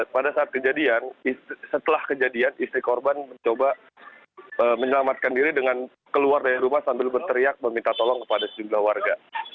pada saat kejadian setelah kejadian istri korban mencoba menyelamatkan diri dengan keluar dari rumah sambil berteriak meminta tolong kepada sejumlah warga